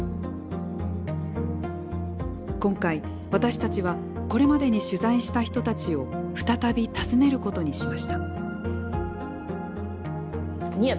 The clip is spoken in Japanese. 今回私たちはこれまでに取材した人たちを再び訪ねることにしました。